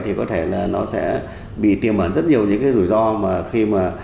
thì có thể là nó sẽ bị tiềm hẳn rất nhiều những cái rủi ro mà khi mà